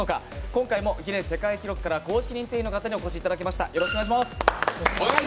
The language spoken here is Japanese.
今回もギネス世界記録から公式認定員の方にお越しいただきました。